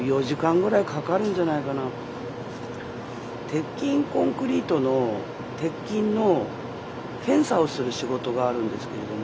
鉄筋コンクリートの鉄筋の検査をする仕事があるんですけれども。